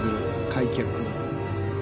開脚。